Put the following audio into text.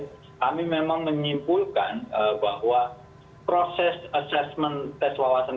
jadi kami memang menyimpulkan bahwa proses asesmen tes wawasan